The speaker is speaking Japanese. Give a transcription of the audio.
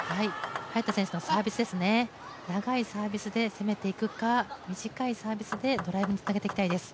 早田選手のサービスですね、長いサービスで攻めていくか、短いサービスでドライブにつなげていきたいです。